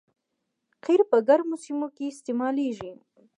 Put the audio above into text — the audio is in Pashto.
قیر په ګرمو سیمو کې استعمالیږي